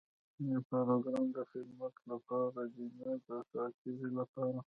دا پروګرام د خدمت لپاره دی، نۀ د ساعتېري لپاره.